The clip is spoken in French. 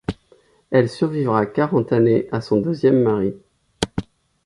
Elle survivra quarante années à son deuxième mari.